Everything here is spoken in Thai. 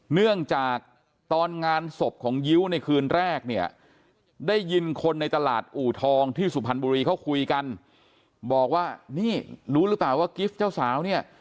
เนื่องจากตอนงานศพของยิ้วในคืนแรกเนี่ยได้ยินคนในตลาดอู่ทองที่สุพรรณบุรีเขาคุยกันบอกว่านี่รู้หรือเปล่าว่ากิฟต์เจ้าสาวเนี่ย